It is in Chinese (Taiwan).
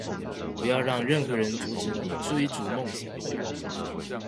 不要讓任何人阻止你追逐夢想